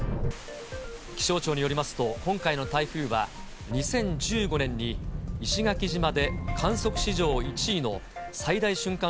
気象庁によりますと、今回の台風は、２０１５年に、石垣島で観測史上１位の最大瞬間